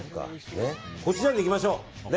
コチュジャンもいっておきましょう。